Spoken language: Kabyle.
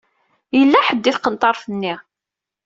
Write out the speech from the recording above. Yella ḥedd di tqenṭaṛt-nni.